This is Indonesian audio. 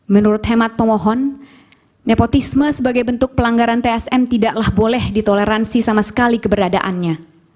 menurut hemat pemohon nepotisme sebagai bentuk pelanggaran tsm tidaklah boleh ditoleransi sama sekali keberadaannya